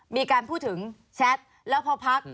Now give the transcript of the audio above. มีการพูดถึงแชทแล้วพอพัก